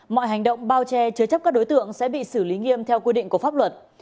mọi hành động bao che chứa chấp các đối tượng sẽ bị xử lý nghiêm theo quy định của pháp luật